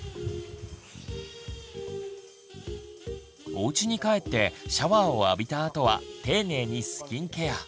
おうちに帰ってシャワーを浴びたあとは丁寧にスキンケア。